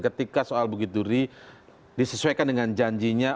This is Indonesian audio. ketika soal bukit duri disesuaikan dengan janjinya